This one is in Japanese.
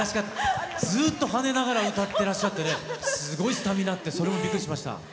ずっと跳ねながら歌ってらっしゃってすごいスタミナってそれもびっくりしました。